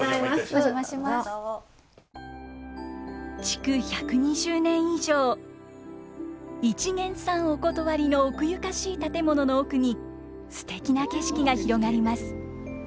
築１２０年以上「一見さんお断り」の奥ゆかしい建物の奥にすてきな景色が広がります。